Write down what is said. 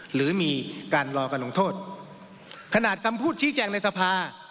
หรือมีการรอการลงโทษขนาดคำพูดชี้แจงในสภา